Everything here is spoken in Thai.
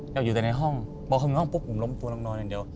อยากอยู่แต่ในห้องบอกว่าอยู่ในห้องปุ๊บผมล้มตัวลองนอนอย่างเดียว